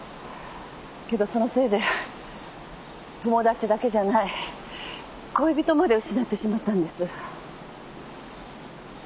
けどそのせいで友達だけじゃない恋人まで失ってしまったんです。